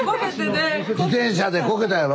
自転車でこけたんやろ？